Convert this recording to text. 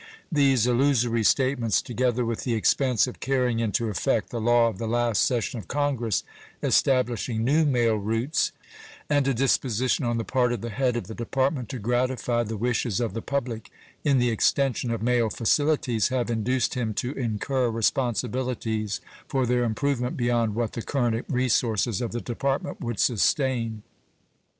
These illusory statements, together with the expense of carrying into effect the law of the last session of Congress establishing new mail routes, and a disposition on the part of the head of the Department to gratify the wishes of the public in the extension of mail facilities, have induced him to incur responsibilities for their improvement beyond what the current resources of the Department would sustain.